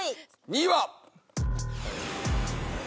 ２位は。